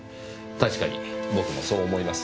確かに僕もそう思います。